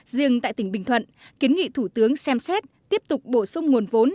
riêng tại tỉnh bình thuận kiến nghị thủ tướng xem xét tiếp tục bổ sung nguồn vốn